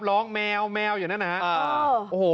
ร้องแมวแมวอยู่นั่นนะฮะ